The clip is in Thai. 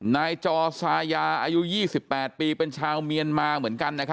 นายจอซายาอายุ๒๘ปีเป็นชาวเมียนมาเหมือนกัน